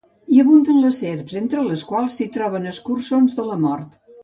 Hi abunden les serps, entre les quals s'hi troben escurçons de la mort.